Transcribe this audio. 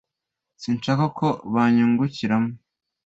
Sinshaka ko banyungukiramo.